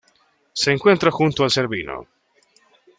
Se encuentra junto al Cervino.